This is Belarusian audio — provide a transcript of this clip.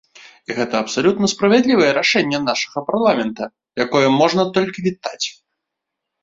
І гэта абсалютна справядлівае рашэнне нашага парламента, якое можна толькі вітаць.